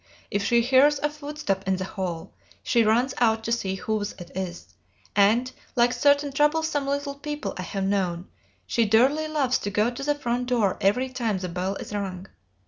If she hears a footstep in the hall, she runs out to see whose it is, and, like certain troublesome little people I have known, she dearly loves to go to the front door every time the bell is rung.